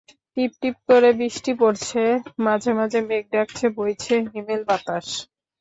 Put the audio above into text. টিপ টিপ করে বৃষ্টি পড়ছে, মাঝে মাঝে মেঘ ডাকছে, বইছে হিমেল বাতাস।